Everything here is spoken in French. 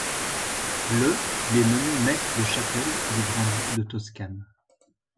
Le il est nommé maître de chapelle du Grand-Duc de Toscane.